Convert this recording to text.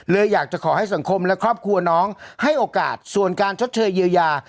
อยากจะขอให้สังคมและครอบครัวน้องให้โอกาสส่วนการชดเชยเยียวยา